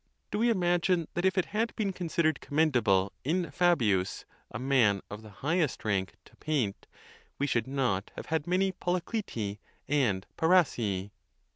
Do we imagine that if it had been considered commendable in Fabius,' a man of the highest vank, to paint, we should not have had many Polycleti and Parrhasii?